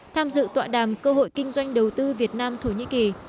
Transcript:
tham dự tọa đàm cơ hội kinh doanh đầu tư việt nam thổ nhĩ kỳ